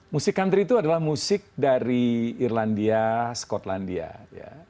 musik country itu adalah musik dari irlandia skotlandia ya